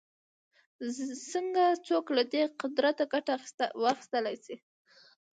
څنګه څوک له دې قدرته ګټه واخیستلای شي